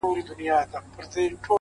يو ديدن يې دئ وروستى ارمان راپاته.!